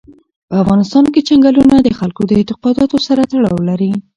په افغانستان کې چنګلونه د خلکو د اعتقاداتو سره تړاو لري.